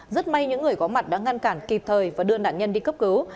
rất may những người có mặt đã ngăn cản kịp thời và đưa nạn nhân đi cấp cứu